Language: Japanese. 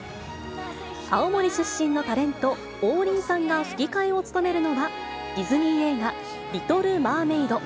青森出身のタレント、王林さんが吹き替えを務めるのは、ディズニー映画、リトル・マーメイド。